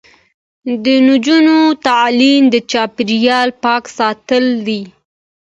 د نجونو تعلیم د چاپیریال پاک ساتل دي.